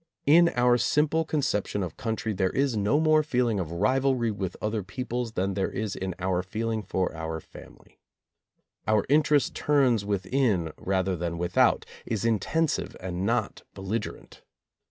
In our simple conception of country there is no more feeling of rivalry with other peoples than there is in our feeling for our family. Our in terest turns within rather than without, is intensive and not belligerent.